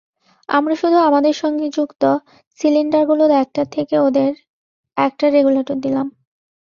আমরা শুধু আমাদের সঙ্গে যুক্ত সিলিন্ডারগুলোর একটার থেকে ওদের একটা রেগুলেটর দিলাম।